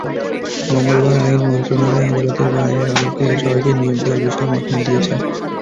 মঙ্গলবার আইন মন্ত্রণালয় আদালতের রায়ের আলোকে সবাইকে নিয়োগ দেওয়ার বিষয়ে মতামত দিয়েছে।